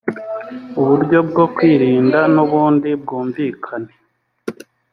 uburyo bwo kwirinda n ubundi bwumvikane